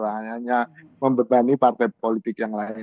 hanya membebani partai politik yang lain